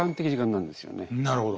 なるほど。